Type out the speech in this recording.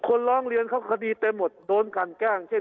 คนร้องเรียนเขาคดีเต็มหมดโดนกันแกล้งเช่น